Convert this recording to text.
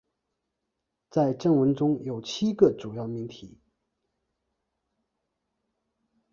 在正文中有七个主要命题。